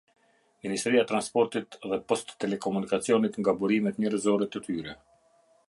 Ministria e Transportit dhe Post- Telekomunikacionit nga burimet njerëzore të tyre.